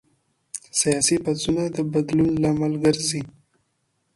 سياسي پاڅونونه د بدلون لامل ګرځي.